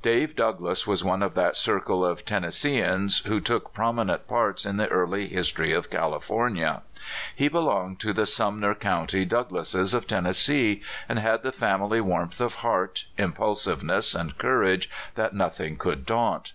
Dave Douglass was one of that circle of Ten nesseeans who took prominent parts in the early history of California. He belonged to the Sum ner County Douglasses, of Tennessee, and had the family warmth of heart, impulsiveness, and cour age that nothing could daunt.